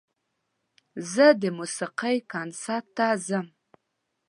زه د موسیقۍ کنسرت ته ځم.